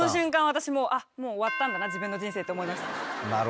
私もう「あっもう終わったんだな自分の人生」って思いましたもん。